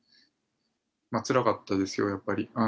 つらかったですよ、やっぱり。